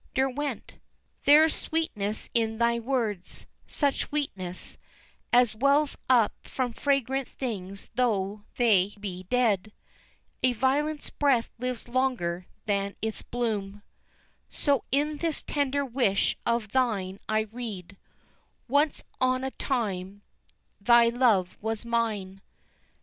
Derwent: "There's sweetness in thy words, such sweetness as Wells up from fragrant things tho' they be dead, A violet's breath lives longer than its bloom, So in this tender wish of thine I read Once on a time thy love was mine."